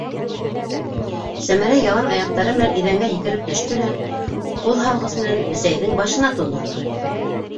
Сәмәрә ялан аяҡтары менән иҙәнгә һикереп төштө лә ҡуҙһалғыс менән бесәйҙең башына тондорҙо.